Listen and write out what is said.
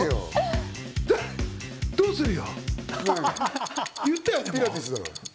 どうするよ？